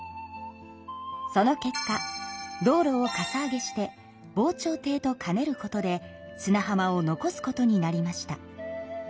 その結果道路をかさ上げして防潮堤と兼ねることで砂浜を残すことになりました。